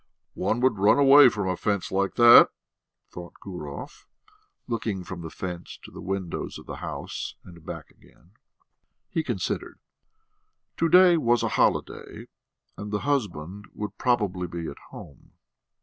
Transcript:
"One would run away from a fence like that," thought Gurov, looking from the fence to the windows of the house and back again. He considered: to day was a holiday, and the husband would probably be at home.